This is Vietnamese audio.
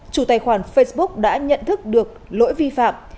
chủ tài khoản facebook đã nhận thức được lỗi vi phạm